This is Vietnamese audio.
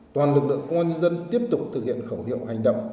toàn lực lượng công an nhân dân tiếp tục thực hiện khẩu hiệu hành động